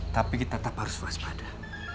tapi kita tetap harus waspada